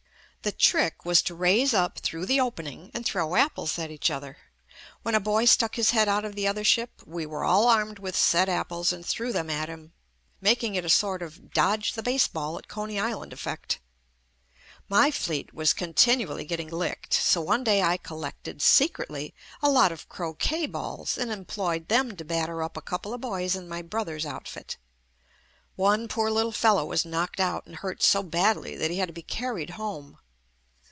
The trick was JUST ME to raise up through the opening and throw apples at each other. When a boy stuck his head out of the other ship, we were all armed with said apples and threw them at him, mak ing it a sort of "dtSdge the baseball at Coney Island" effecty/My fleet was continually get ting licked, so one day I collected, secretly, a lot of croquet balls and employed them to bat ter up a couple of boys in my brother's outfit. One poor little fellow was knocked out and hurt so badly that he had to be carried home.